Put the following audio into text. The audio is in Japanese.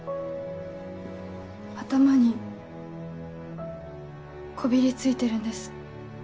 頭にこびり付いてるんです。